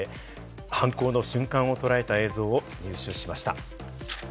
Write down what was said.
犯行の瞬間をとらえた映像を入手しました。